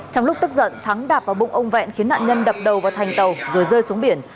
trong lúc tức giận thắng đạp vào bụng ông vẹn khiến nạn nhân đập đầu vào thành tàu rồi rơi xuống biển